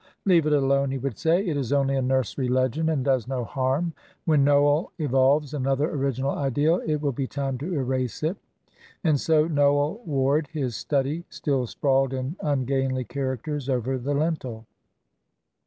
"Leave it alone," he would say. "It is only a nursery legend, and does no harm when Noel evolves another original idea it will be time to erase it." And so "Noel Ward, His Study," still sprawled in ungainly characters over the lintel.